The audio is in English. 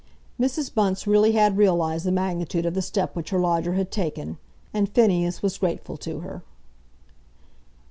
Mrs. Bunce really had realised the magnitude of the step which her lodger had taken, and Phineas was grateful to her.